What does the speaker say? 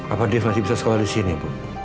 apa dev masih bisa sekolah di sini bu